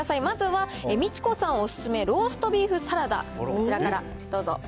まずは、ミチコさんお勧め、ローストビーフサラダ、こちらからどうぞ。